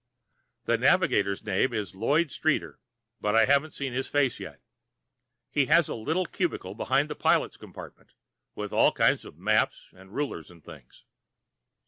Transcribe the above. The navigator's name is Lloyd Streeter, but I haven't seen his face yet. He has a little cubicle behind the pilot's compartment, with all kinds of maps and rulers and things.